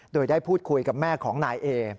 โดยได้พูดคุยกับแม่ของนายเอ